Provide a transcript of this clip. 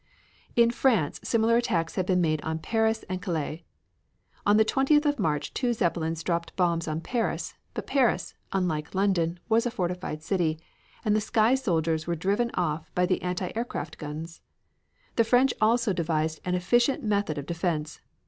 In France similar attacks had been made on Paris and Calais. On the 20th of March two Zeppelins dropped bombs on Paris, but Paris, unlike London, was a fortified city, and the sky soldiers were driven off by the anti aircraft guns. The French also devised an efficient method of defense.